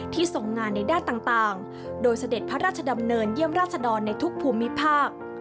ทรงงานในด้านต่างโดยเสด็จพระราชดำเนินเยี่ยมราชดรในทุกภูมิภาค